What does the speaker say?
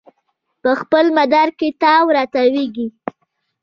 په خپل مدار کې تاو راتاویږي